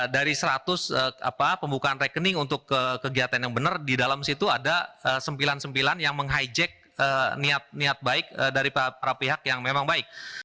dari seratus pembukaan rekening untuk kegiatan yang benar di dalam situ ada sempilan sempilan yang meng hijack niat niat baik dari para pihak yang memang baik